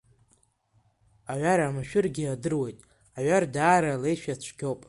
Аҩар амашәыргьы адыруеит, аҩар даара алеишәа цәгьоуп!